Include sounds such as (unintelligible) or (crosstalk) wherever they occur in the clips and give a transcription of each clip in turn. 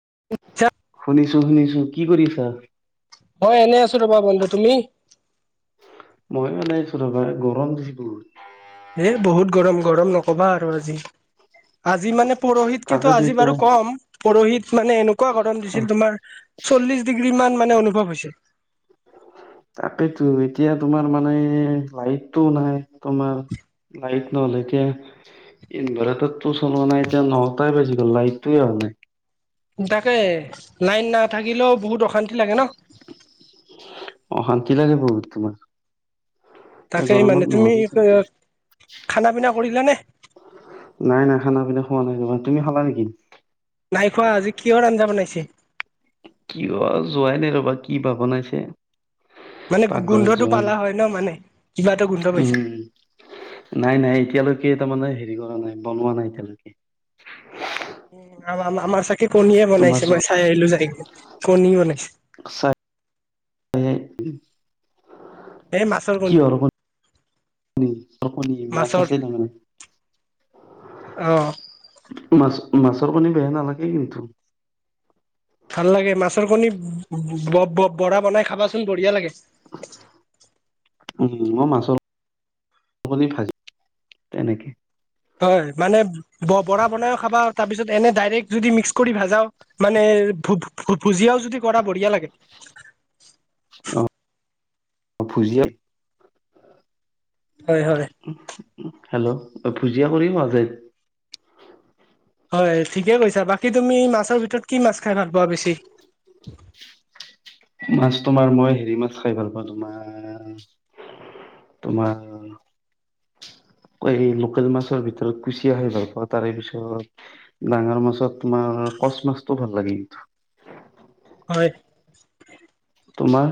(inaudible) শুনিছো, শুনিছো কি কৰিছা? মই এনেই আছো, ৰবা বন্ধু তুমি? মই এনে আছোঁ ৰবা গৰম দিছি বহুত। এ, বহুত গৰম, গৰম নক নক'বা আৰু আজি আজি মানে পৰহিতকেতো তাকেতো আজি এতিয়া বাৰু কম, পৰোহিত মানে এনেকুৱা গৰম অ দিছিল তোমাৰ চল্লিশ ডিগ্ৰী মান, মানে অনুভৱ হৈছে। তাকেইেতো এতিয়া তোমাৰ মানে লাইটটো নাই, তোমাৰ লাইট নহলে এতিয়া ইনভাৰটাৰ তটো চলোৱা নাই, এতিয়া নটাই বছি গ'ল লাইটটো অহা নাই। তাকে লাইন নাথাকিলেও বহুত অশান্তি লাগে ন। কি লাগে বহুত তোমাৰ, এই তাকেই গৰমত মানে তুমি নহোৱাৰি থাকি খানা পিনা কৰিলা নে নাই, নাই খানা পিনা খোৱা নাই কাবা তুমি খালা নেকি? নাই খোৱা, আজি কিহৰ আঞ্জা বনাইছে? কিহৰ যোৱাই নাই ৰবা, কি বা বনাইছে। মানে পাকঘৰত গোন্ধটো যোৱাই পালা নাই হয় ন, মানে কিবা এটা গোন্ধ উম পাইছা। নাই, নাই এতিয়ালৈকে তাৰমানে হেৰি কৰা নাই বনোৱা নাই এতিয়ালৈকে। উম, আমাৰ চ সেই কণীয়ে তোমাৰ বনাইছে, যোৱা মই চাই আহিলো চাই কণী বনাইছে। হয়ে। এই মাছৰ কি কণী হৰ কণি, মাছ মাছৰ আছে মানে অ মাছ, মাছৰ পানী বেয়া নালাগে কিন্তু। ভাল লাগে মাছৰ কণী বৰা বনাই খাবাচোন বঢ়িয়া লাগে। (inaudible) উম, মই মাছৰ ভাজি তেনেকে। হয়, মানে বৰা বনাইও খাবা, তাৰপিছত এনে ডাইৰেক্ট যদি মিক্স কৰি ভাজাও মানে। ভ, ভুজিয়াও যদি কৰা বঢ়িয়া লাগে। অ, ভূজিয়া হয়, হয়। হেল্ল' অ, ভুজিয়া কৰি কোৱা যাই। হয় কিকে ভাল পোৱা বেছি। মাছ তোমাৰ মই হেৰি মাছ খাই ভাল পাওঁ তোমাৰ তোমাৰ এই লোকেল মাছৰ ভিতৰত কুচিয়া খাই, ভাল পাওঁ তাৰে পিছত ডাঙৰ মাছত তোমাৰ কচ মাছটো ভাল লাগে, কিন্তু। হয়। তোমাৰ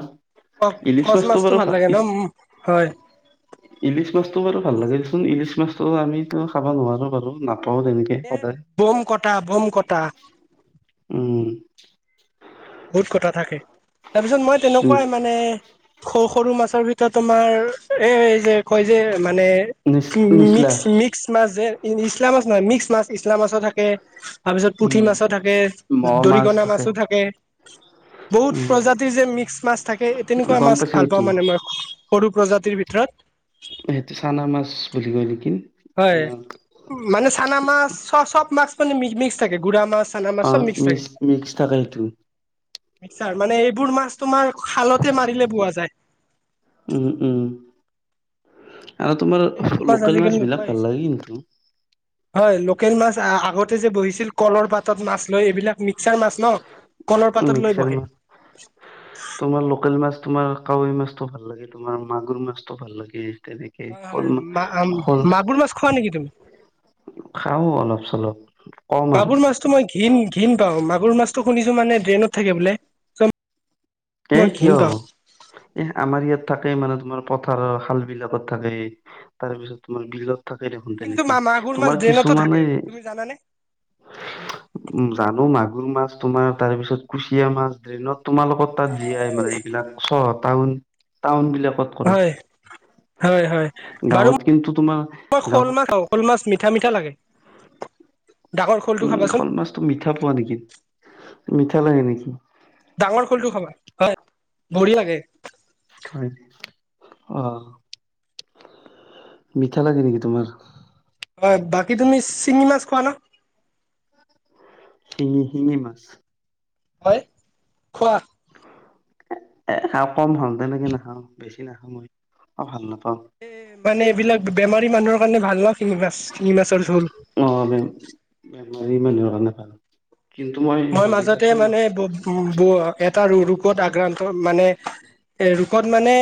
ক, কচ মাছটো ভাল লাগে ন, হয়। ইলিছ মাছতটো বাৰু ভাল লাগে দেচোন, ইলিছ মাছতো আমিতো খাব নোৱাৰো বাৰু না পাও, তেনেকে এ সদায়, বম কটা বম কটা উম বহুত কথা থাকে, তাৰপিছত মই তেনেকুৱাই মানে সুখ সৰু মাছৰ ভিতৰত তোমাৰ এই যে কয় যে মানে নিচ নিচলা মিক্স, মিক্স মাছ যে নিচলা মাছ নহয়, মিক্স মাছ, নিচলা মাছো থাকে। তাৰপিছত উম। পুঠি মাছো থাকে, মোৱা মাছ দৰিকণা মাছো থাকে। (unintelligible) বহুত প্ৰজাতিৰ যে মিক্স মাছ থাকে, তেনেকুৱা গম মাছ পাইছো ভাল পাওঁ এইটো মানে মই সৰু প্ৰজাতিৰ ভিতৰত। সেইটো চানা মাছ বুলি কয়। নেকি? হয়, তোমাৰ মানে চানা মাছ চ-চব মাছ মানে মি-মিক্স থাকে গুৰা মাছ। চানা মাছ অহ, চব মিক্স থাকে মিক্স-মিক্স থাকে সেইটোই। মিক্সাৰ মানে এইবোৰ মাছ তোমাৰ খালতে মাৰিলে পোৱা যায়। উম উম। আৰু তোমাৰ এইবোৰ মাছ লোকেল আজিকালি মাছবিলাক নোপোৱাই ভাল হৈছে লাগে কিন্তু। হয় লোকেল মাছ আগতে যে বহিছিল কলৰ পাতত মাছ লৈ এইবিলাক মিক্সাৰ মাছ ন'। কলৰ পাতত লৈ মিক্সাৰ বহে মাছ, তোমাৰ লোকেল মাছ। তোমাৰ কাৱৈ মাছটো ভাল লাগে, তোমাৰ মাগুৰ মাছটো ভাল লাগে। তেনেকে হয়, শ'ল হয়। শ'ল মা-মাগুৰ মাছ খোৱা নেকি তুমি? খাওঁ অলপ চলপ কম আৰু মাগুৰ মাছটো মই ঘিণ-ঘিণ পাওঁ, মাগুৰ মাছটো শুনিছোঁ মানে ড্ৰেইনত থাকে বোলে। চ' এই মই ঘিণ কিয় হ'ব, পাওঁ এই আমাৰ ইয়াত থাকে মানে তোমাৰ, পথাৰৰ খালবিলাকত থাকেই, তাৰপিছত তোমাৰ বিলত থাকে দেখোন কিন্তু তেনেকে, মা মাগুৰ মাছ তোমাৰ ড্ৰেইনতো থাকে কিছুমানে তুমি জানানে (unintelligible) জানোঁ মা মাগুৰ মাছ, তোমাৰ তাৰপিছত কুচিয়া মাছ, ড্ৰেইনত তোমাৰলোকৰ তাত জীয়াই মানে এইবিলাক চহৰ টাউন, টাউনবিলাক হয়।, হয়, হয়। বাৰু গাঁৱত মই কিন্তু তোমাৰ মই শ'ল গাঁৱত মাছ খাওঁ, শ'ল মাছ মিঠা-মিঠা লাগে। ডাঙৰ শ'লটো উম, খাবাচোন শ'ল মাছটো মিঠা পোৱা নেকি, মিঠা লাগে নেকি? ডাঙৰ শ'লটো খাবা হয়, বঢ়িয়াকে। হয়, অহ। মিঠা লাগে নেকি তোমাৰ? হয়, বাকী তুমি চিমি মাছ খোৱা না? শিঙি, শিঙি মাছ। হয়, খোৱা? এ খাওঁ কম খাওঁ তেনেকে নাখাওঁ, বেছি নাখাওঁ মই ভাল নাপাওঁ। এ মানে এইবিলাক বেমাৰী মানুহৰ কাৰণে ভাল শিঙি মাছ, শিঙি মাছৰ জোল। অ বেমাৰী মানুহৰ কাৰণে ভাল। কিন্তু মই হেৰি মাজতে খাইছো মানে ব' ব' এটা ৰো-ৰোগত আক্ৰান্ত। মানে এ ৰোগকত মানে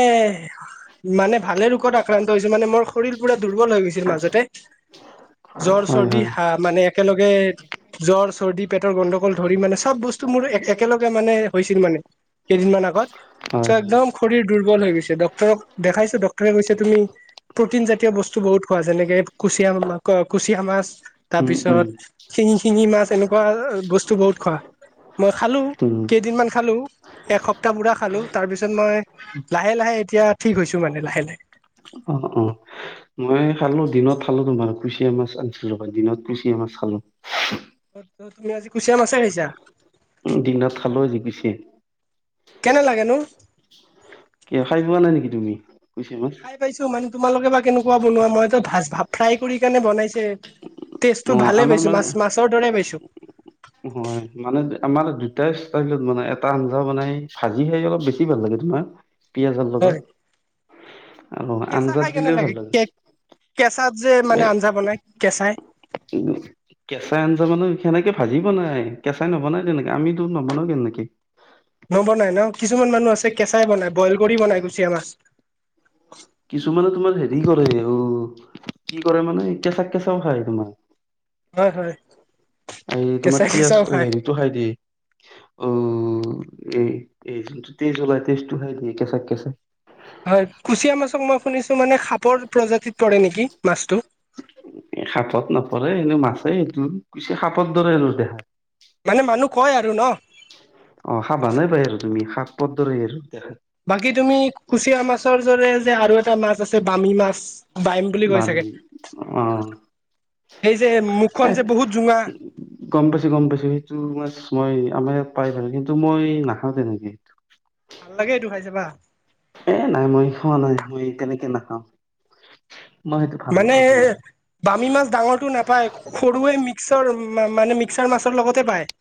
মানে ভালে ৰোগত আক্ৰান্ত হৈছে, মানে মোৰ শৰীৰ পুৰা দুৰ্বল হৈ গৈছিল মাজতে। জ্বৰ হয় চৰ্দি হয় হা, মানে একেলগে জ্বৰ চৰ্দি পেটৰ গণ্ডগোল ধৰি মানে চব বস্তু মোৰ এ একেলগে মানে হৈছিল মানে। কেইদিনমান আগত হয় চ' একদম শৰীৰ দুৰ্বল হৈ গৈছে, ডক্তৰক দেখাইছোঁ। ডক্তৰে কৈছে তুমি প্ৰ'টিন জাতীয় বস্তু বহুত খোৱা যেনেকে কুচিয়া মা, কুচিয়া মাছ। উম উম তাৰপিছত শিঙি-শিঙি মাছ এনেকুৱা বস্তু বহুত খোৱা। মই খালোঁ, উম কেইদিনমান খালোঁ এসপ্তাহ পুৰা খালোঁ। তাৰপিছত মই লাহে-লাহে এতিয়া ঠিক হৈছোঁ মানে লাহে-লাহে। অহ', অহ'। মই খালোঁ দিনত খালোঁ তোমাৰ কুচিয়া মাছ আনিছিলোঁ কালি, দিনত কুচিয়া মাছ খালোঁ। ত' তুমি আজি কুচিয়া মাছে খাইছা। উম, দিনত খালোঁ আজি কুচি কেনে লাগেনো কিয় খাই পোৱা নাই নেকি তুমি? কুচিয়া মাছ খাই পাইছোঁ মানে তোমালোকে বা কেনেকুৱা বনোৱা, মইটো ভাজ ভাৱ ফ্ৰাই কৰি কিনে বনাইছে। অ টেষ্টটো ভালেই আমাৰ পাইছোঁ মানে মাছ-মাছৰ দৰে পাইছোঁ। হয় মানে আমাৰ দুটাই ষ্টাইলত মানে এটা আঞ্জা বনাই, ভাজি খায় অলপ বেছি ভাল লাগে তোমাৰ। পিয়াজৰ হয় লগত আৰু কেঁচা খাই আঞ্জাত কেনে দিলেওঁ ভাল কে লাগে। কেঁচাত যে মানে আঞ্জা বনাই কেঁচাই। উম কেঁচাই আঞ্জা জানো এনেকে ভাজি বনাই কেঁচাই নবনাই তেনেকে আমিতো নবনাওঁ তেনেকে নবনাই ন কিছুমান মানুহ আছে কেঁচাই বনাই বইল কৰি বনাই কুচিয়া মাছ কিছুমানে তোমাৰ হেৰি হেৰি কৰে অ কি কৰে মানে কেঁচাক কেঁচাও খায় তোমাৰ হয় হয় এই তোমাৰ কেঁচা তি কেঁচাও আছ খায় হেৰিতটো খাই দেই অ এই এই যোনটো তেজ ওলাই তেজটো খ দিয় কেঁচাক কেঁচাক হয় কুচিয়া মাছক মই শুনিছো মানে সাপৰ প্ৰজাতিত পৰে নেকি মাছটো পৰে এনেো মাছে স পুছে সাপত ধৰে হনো দেহা মানে মানুহ কয় আৰু ন অ সা ভানে পায় আৰু তুমি শাক পথ ধৰে আৰু বাকী তুমি কুচিয়া মাছৰ দৰে যে আৰু এটা মাছ আছে বামী মাছ বাইম বুলি বা কৈ চাগে আমি অ সেই যে এ মুখখন যে বহুত জোঙা গম পাইছো গম পাইছো সেইটো মানে মই আমাৰ ইয়াত পাই পো কিন্তু মই নাখাওঁ তেনেকে সেইটো ভাল লাগে এইটো খাই যাবা এ নাই মই খোৱা নাই মই তেনেকে নাখাওঁ মই সেইটো ভাল মানে নাপাওঁ তোমাৰ বামী মাছ ডাঙৰটো নাপায় সৰুৱে মিক্সৰ মানে মিক্সাৰ মাছৰ লগতে পায়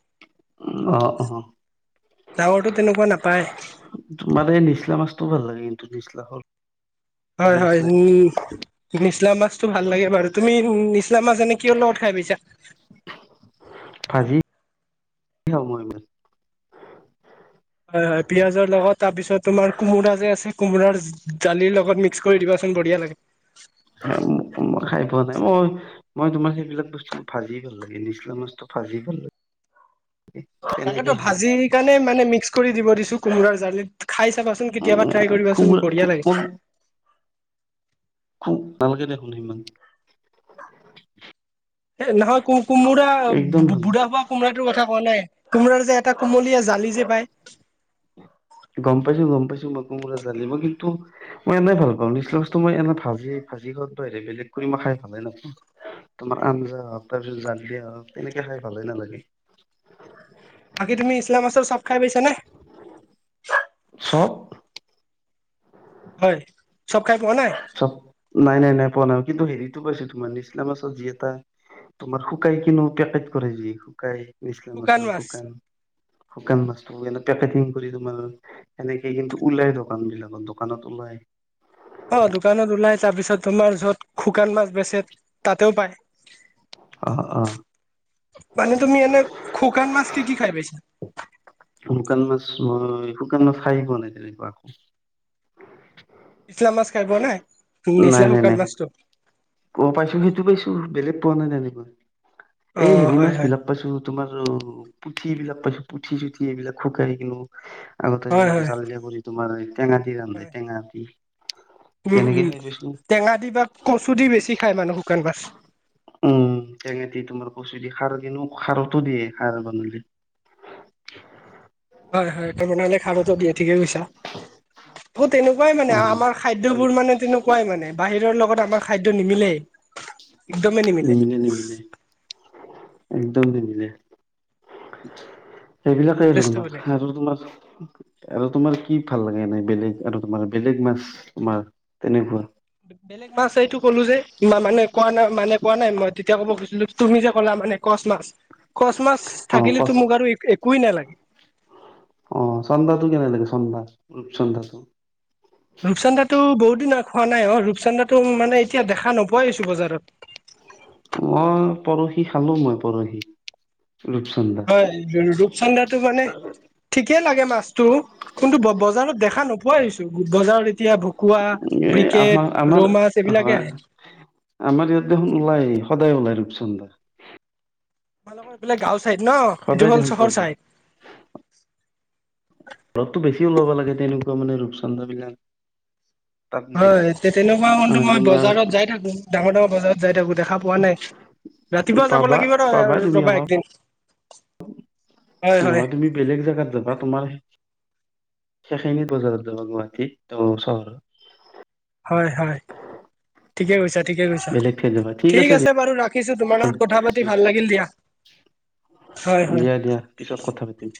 অ অ যাৱৰটো তেনেকুৱা নাপায় তোমাৰ এই নিচলা মাছটো ভাল লাগে কিন্তু নিচলা হল হয় হয় উ নিচলা মাছতটো ভাল লাগে বাৰু তুমি উম নিছলামাাজনে কিয় লগত খাই পিছা আজি খ মই ইমান অ পিয়াজৰ লগত তাৰ পিছত তোমাৰ কোমোৰা যে আছে কোমোৰাৰ দালিৰ লগত মিক্স কৰি দিবা বঢিয় লাগে খাই পোৱা নাই মই মই তোমাৰ সেইবিলাক বস্তু ভাজি ভাল লাগে নিচলা মাছটো ভাজি ভাল লাগে তাকেতো তেনেকে খাওঁ ভাজি কাৰণে মানে মিক্স কৰি দিব দিছো কোমোৰাৰ জাল খাই চাবাচোন কেতিয়াবা ট্ৰাই কৰি খুব খ খ খু নালকে দেখোনহিমান হ নহয়ো কোমোৰা ভাল নাপাওঁ। বুঢ়া হোৱা কোমোৰা টো কথা কোৱা নাই কোমোৰাৰ যে এটা কোমলীয়া জালি যে পায় গম পাইছো গম পাইছো মই কোমোৰা জালিব কিন্তু মই এনেই ভাল পাওঁ নিচনা বস্তু মই এনে ভাজি ভাজি ঘ ব বেলেগ কৰি মই খাই ভালে নাাপ তোমাৰ আঞ্জা হওক তাৰ পিছত জাল দিয়া হওক তেনেকে খাই ভালে নালাগে বাকী তুমি ইছলাম আাছল চব খাই পাইছা নে অফ হয় চব খাই পোৱা নাই চব নাই নাই নাই পোৱা নাই কিন্তু হেৰিতটো পাইছো তোমাৰ নিচলামা চত যি এটা তোমাৰ শুকাই কিনো পেকেট কৰে যি শুকাই বিছ মাছৰ শুকান শুকান মাছটো বলেগ েেিং কৰি তোমাৰ সেনেকে কিন্তু ওলাই দোকান বিলাকত দোকানত ওলাই অ দোকানত ওলাই তাৰ পিছত তোমাৰ যত শুকান মাছ বেচে তাতেও পায় অ আহ মানে তুমি এনে খুকান মাছ কি কি খাই পছা শুকান ম শুকান ম খাইিবোৱা নাই তেনেকুৱাাকো নিচলা মাছ খাই বোৱা নাই নিচা নাই নাই শুকান নাই মাছটো অ পাইছো সেইটো পাইছো বেলেগ পোৱা নাই তেনেকৈ অ এই হেৰি হয় মাছ হয় বিলাক পাইছো তোমাৰ অ পুঠি এইবিলাক পাইছো পুঠি চুঠি এইবিলাক শুকাই কিনো আগতে হয় হয় চালীয়া কৰি তোমাৰ টেঙা ৰান্ধ হয় টেঙি। উম, উম টেঙা দি বা কচু দি বেছি খায় মানুহ শুকান মাছ। উম টেঙা দি তোমাৰ কচু দি খাৰ দিনো খাৰতো দিয়ে সাৰ বনালে। হয়, হয় ত বনালে খাবো দিয় ঠিকে কৈছে। (unintelligible) অ' তেনেকুৱাই অ মানে আমাৰ তেনে খাদ্যবোৰ মানে তেনেকুৱাই মানে বাহিৰৰ লগত আমাৰ খাদ্য নিমিলেই। উ (unintelligible) একদমেই নিমিলে নিমিল নিমিল একদম নিমিল। সেইবিলাকেই আৰু যথেষ্ট তোমাৰ বেলেগ আৰু তোমাৰ আৰু তোমাৰ কি ভাল লাগে এ নাই? বেলেগ আৰু তোমাৰ বেলেগ মাছ তোমাৰ তেনেকুৱা। বেলেগ মাছ এইটো ক'লো যে মানে কোৱা নাই মানে কোৱা নাই মই তেতিয়া ক'ব গুৈছিলো তুমি যে ক'লা মানে কচ মাছ। খচ মাছ অ থাকিলেতো কচ মোক আৰু একোৱেই নালাগে। অ' চন্ধাটো কেনে লাগে চন্ধা চন্ধাটো। ৰূপচন্দাটো বহুত দিনা খোৱা নাই অ' ৰূপচানন্দাটো মানে এতিয়া দেখা নোপোৱাই আছো বজাৰত। মই পৰহি খালো মই পৰহি। ৰূপচন্দা হয় ৰূপচন্দ্ৰাটো মানে ঠিকেই লাগে মাছতো কিন্তু বজাৰত দেখা নোপোৱা আহিছো বজাৰত এতিয়া ভকুৱা, এ ব্ৰিকেট, আমাৰ আমাৰ ৰো মাছ এইবিলাকে হয় আহে। আমাৰ ইয়াত দেখোন ওলাই সদায় ওলাই ৰূপচন্দা। তোমালোকৰ এইবিলাক গাঁও চাইদ ন এইটো সদায় হল দেখোন পোৱা চহৰ যায় চাইদ। ঘৰততো বেছি ওলব লাগে তেনেকুৱা মানে ৰূপচান্ন্দা বিলাক। তাত হয় তেনেকুৱা হন্তু মানে মই তোমাৰ বজাৰত যাই থাকো ডাঙৰ ডাঙৰ বজাৰ যাই তাকো দেখা পোৱা নাই ৰাতিপুৱা যাব পাবা লাগিব পাবা ৰ তুমি ৰবা অলপ একদিন। হয় হয় নহয় তুমি বেলেগ জোগাত যাবা তোমাৰ সেইখিনি বজাৰত গুৱাহাটী চহৰত। হয়, হয় ঠিকে কৈছা। ঠিকে কৈছা বেলেগ ঠাইত যাবা ঠিক দিয়া আছে বাৰু ৰাখিছো তোমাৰ লগত কথা ৰাখিছো। পাতি ভাল লাগিল দিয়া। হয় হয় দিয়া দিয়া পিছত কথা পাতিম।